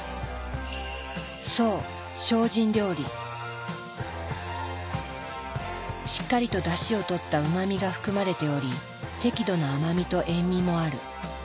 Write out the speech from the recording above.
そうしっかりとだしをとったうま味が含まれており適度な甘みと塩味もある。